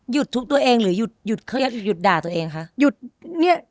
หยุดทุบตัวเองหรือหยุดด่าตัวเองคะ